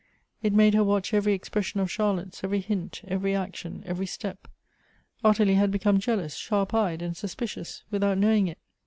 It made her watch every expression of Charlotte's, every hint, every action, every step. Ottilie had become jealous, shaip eyed, and suspicious, without knowing it.